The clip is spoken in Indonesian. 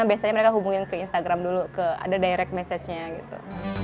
biasanya mereka hubungin ke instagram dulu ke ada direct message nya gitu